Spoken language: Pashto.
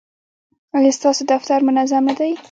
ایا ستاسو دفتر منظم نه دی؟